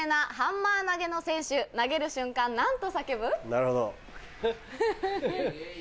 なるほど。